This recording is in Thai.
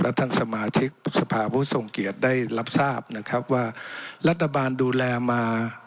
ท่านสมาชิกสภาผู้ทรงเกียจได้รับทราบนะครับว่ารัฐบาลดูแลมา